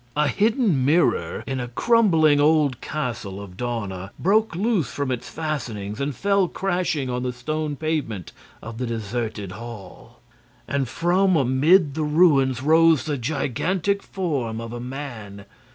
A hidden mirror in a crumbling old castle of Dawna broke loose from its fastenings and fell crashing on the stone pavement of the deserted hall. And from amid the ruins rose the gigantic form of a man.